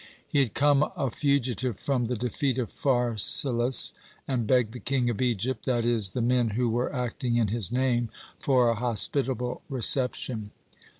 He had come a fugitive from the defeat of Pharsalus, and begged the King of Egypt that is, the men who were acting in his name for a hospitable reception.